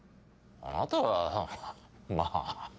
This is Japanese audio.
あなたはまぁ。